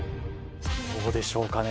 どうでしょうかね？